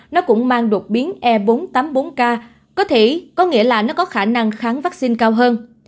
nó cũng mang đột biến e bốn trăm tám mươi bốn k có thể có nghĩa là nó có khả năng kháng vaccine cao hơn